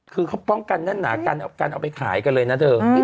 คือเขาป้องกันแน่นหนากันเอาไปขายกันเลยนะเธอ